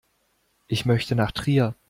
Ich möchte nach Trier